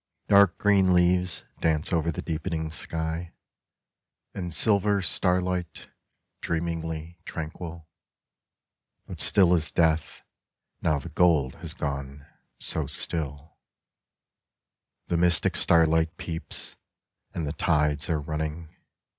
Dark green leaves dance over the deepening sky And silver starlight, dreamingly tranquil (But still as Death, now the gold has gone, so still) The mystic starlight peeps, and the tides are running.